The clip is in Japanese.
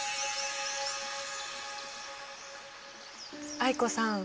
藍子さん